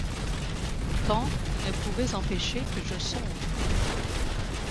Pourtant vous ne pouvez empêcher que je songe